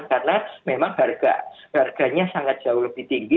karena memang harganya sangat jauh lebih tinggi